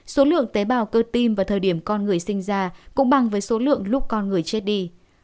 số lượng tế bào cơ tim vào thời điểm con người sinh ra cũng bằng với số lượng lúc con người chết đi